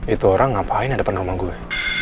itu orang ngapain di depan rumah gue